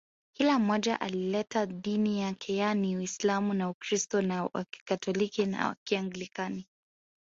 Kila mmoja alileta dini yake yaani Uislamu na Ukristo wa Kikatoliki na wa Kianglikana